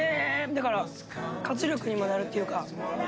だから、活力にもなるっていうか。